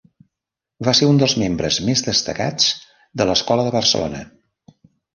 Va ser un dels membres més destacats de l'Escola de Barcelona.